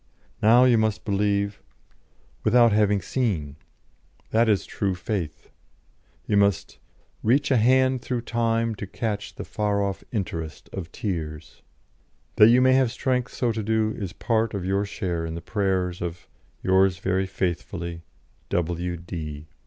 Now you must believe without having seen; that is true faith. You must "'Reach a hand through time to catch The far off interest of tears.' That you may have strength so to do is part of your share in the prayers of "Yours very faithfully, "W.